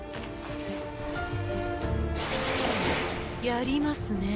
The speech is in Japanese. やりますね。